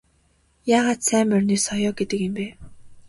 Яагаад сайн морины соёо гэдэг юм бэ?